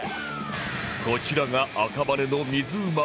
こちらが赤羽の水うま